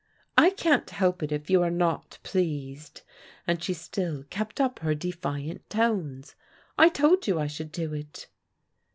I can't help it if you are not pleased," and she still kept up her defiant tones. " I told you I should do it."